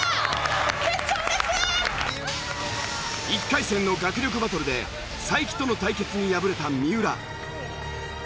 １回戦の学力バトルで才木との対決に敗れた三浦。